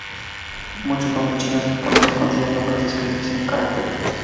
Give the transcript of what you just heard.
Muchos nombres chinos y japoneses contienen números escritos en caracteres.